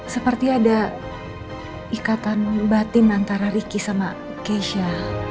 seperti ada ikatan batin antara ricky sama keisha